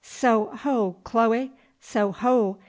So ho, Chloe, so ho!